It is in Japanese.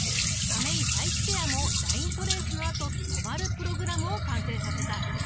亀井・佐伯ペアもライントレースのあと止まるプログラムを完成させた。